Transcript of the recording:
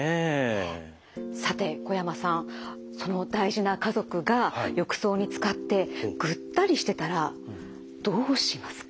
さて小山さんその大事な家族が浴槽につかってぐったりしてたらどうしますか？